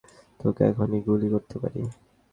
তোকে এক্ষুনি গুলি করতে পারি।